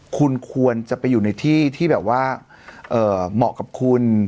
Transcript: คุณควรจะไปอยู่ในที่ที่แบบว่าเหมาะกับคุณ